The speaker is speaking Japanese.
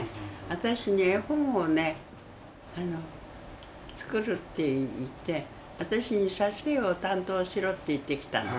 私に絵本を作るって言って私に挿絵を担当しろって言ってきたの。